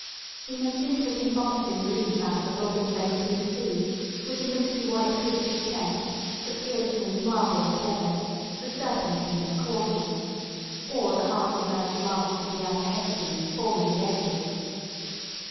We may think of it embossed in relief out of a robin's egg blue sea, with the misty white cliffs of Kent, the slate and marble of Devon, the serpentine of Cornwall, or the half submerged rafts of the outer Hebrides forming the edges.